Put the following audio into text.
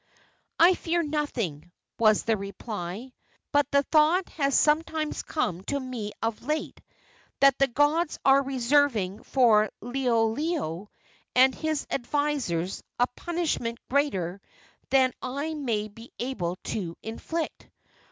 "I fear nothing," was the reply; "but the thought has sometimes come to me of late that the gods are reserving for Liholiho and his advisers a punishment greater than I may be able to inflict.